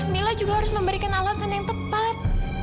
mila juga harus memberikan alasan yang tepat